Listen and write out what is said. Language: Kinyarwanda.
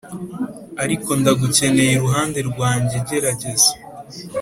ariko ndagukeneye 'iruhande rwanjyegerageza